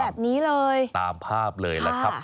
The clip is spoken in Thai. แบบนี้เลยค่ะตามภาพเลยแล้วครับ